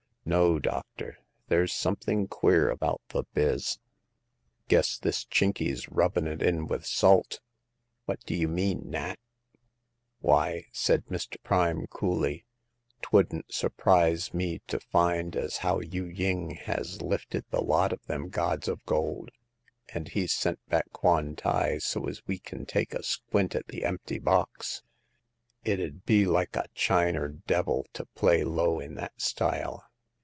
No, doctor ; there's something queer about the biz. Guess this Chinky's rubbin' it in with salt." "What do you mean, Nat ?" 102 Hagar of the Pawn Shop. "Why," said Mr. Prime, coolly, '^'twouldn't surprise me to find as how Yu ying has lifted the lot of them gods of gold, and he's sent back Kwan tai so as we kin take a squint at the empty box. It 'ud be like a Chiner d 1 to play low in that style."